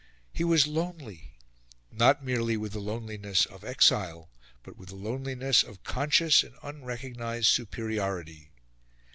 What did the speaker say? He was lonely, not merely with the loneliness of exile but with the loneliness of conscious and unrecognised superiority.